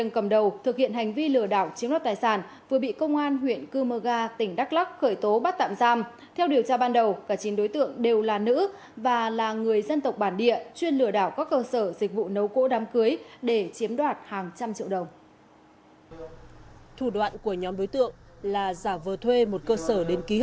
còn nếu có sự nghi ngờ thì chúng ta sẽ dừng ngay và quay lại